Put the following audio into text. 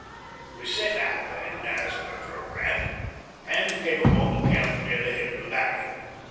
We set out, then, as per programme, and came upon the camp near the head of the valley.